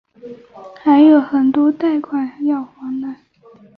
还有很多贷款要还哪